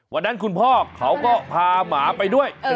วันนั้นคุณพ่อเขาก็พาหมาไปด้วย